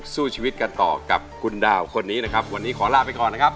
สู้ชีวิตกันต่อกับคุณดาวคนนี้นะครับวันนี้ขอลาไปก่อนนะครับ